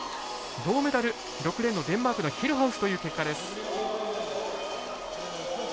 銅メダル、６レーンのデンマークのヒルハウスという結果です。